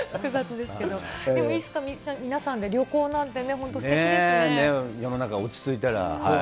でも、いつか皆さんで旅行なんて世の中落ち着いたら。